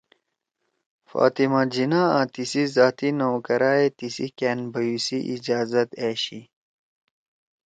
فاطمہ جناح آں تیسی ذاتی نوکرائے تِیسی کأن بھیُو سی اجازت أشی“